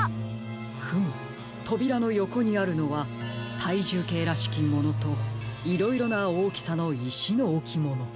フムとびらのよこにあるのはたいじゅうけいらしきものといろいろなおおきさのいしのおきもの。